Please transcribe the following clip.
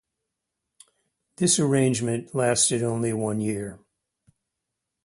This arrangement lasted only one year.